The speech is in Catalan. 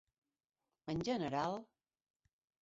En general: